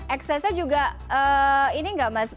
eksesnya juga ini nggak mas